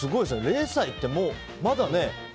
０歳ってまだ。